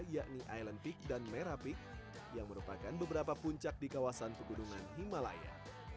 yakni island peak dan merah peak yang merupakan beberapa puncak di kawasan pegunungan himalaya